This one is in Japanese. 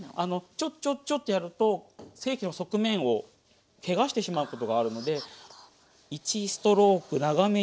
ちょちょちょってやると側面をけがしてしまうことがあるので１ストローク長めにグワーッと。